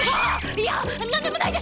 いやなんでもないです！